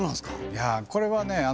いやあこれはね